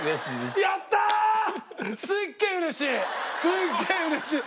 すっげえ嬉しい。